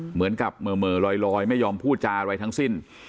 เหมือนกับเหม่อลอยไม่ยอมพูดจาอะไรทั้งสิ้น